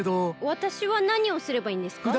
わたしはなにをすればいいんですか？